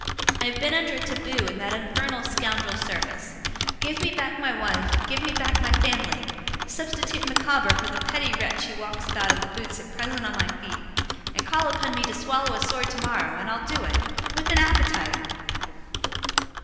I have been under a Taboo in that infernal scoundrel's service. Give me back my wife, give me back my family, substitute Micawber for the petty wretch who walks about in the boots at present on my feet, and call upon me to swallow a sword tomorrow, and I'll do it. With an appetite!